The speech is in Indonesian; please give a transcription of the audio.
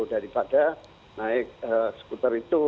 daripada naik skuter itu